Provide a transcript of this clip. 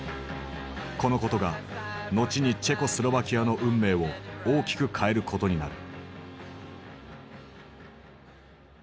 このことが後にチェコスロバキアの運命を大きく変えることになる。